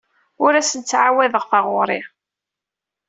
Ur asen-ttɛawadeɣ taɣuri.